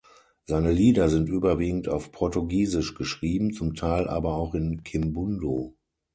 Seine Lieder sind überwiegend auf Portugiesisch geschrieben, zum Teil aber auch in Kimbundu.